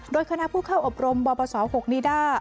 โดยคณะผู้เข้าอบรมบศ๖นิด้า